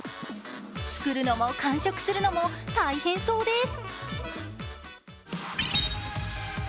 作るのも完食するのも大変そうです。